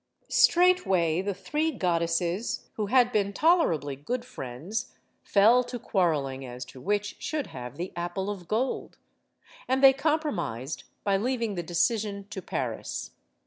Straightway, the three goddesses, who had been tolerably good friends, fell to quarreling as to which should have the apple of gold. And they compromised by leaving the decision to Paris.